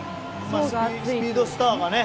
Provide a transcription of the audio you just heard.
スピードスターがね。